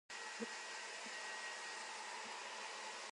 乞食下大願